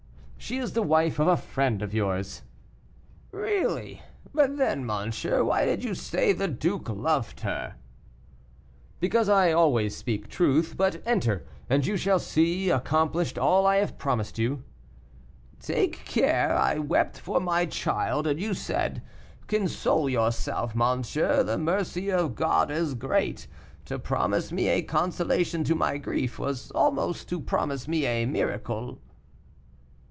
"She is the wife of a friend of yours." "Really! but then, monsieur, why did you say the duke loved her?" "Because I always speak truth. But enter, and you shall see accomplished all I have promised you." "Take care; I wept for my child, and you said, 'Console yourself, monsieur, the mercy of God is great;' to promise me a consolation to my grief was almost to promise me a miracle."